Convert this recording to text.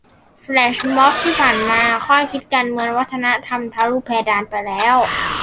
แฟลชม็อบที่ผ่านมา ข้อคิดการเมืองวัฒนธรรมทะลุเพดานไปแล้ว